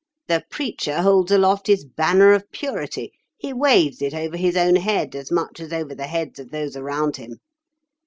The preacher holds aloft his banner of purity. He waves it over his own head as much as over the heads of those around him.